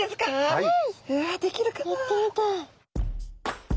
はい。